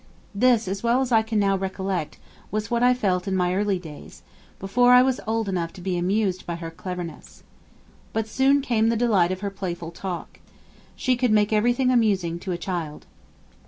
This, as well as I can now recollect, was what I felt in my early days, before I was old enough to be amused by her cleverness. But soon came the delight of her playful talk. She could make everything amusing to a child.